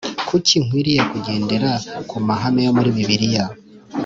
kuki nkwiriye kugendera ku mahame yo muri bibiliya